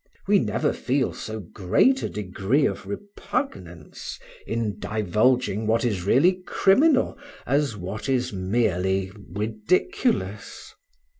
We never feel so great a degree of repugnance in divulging what is really criminal, as what is merely ridiculous.